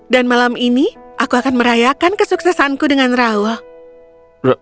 dan malam ini aku akan merayakan kesuksesanku dengan raoul